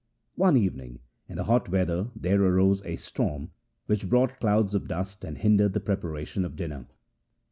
One evening in the hot weather there arose a storm which brought clouds of dust and hindered the preparation of dinner.